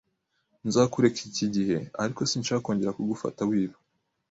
Nzakureka iki gihe, ariko sinshaka kongera kugufata wiba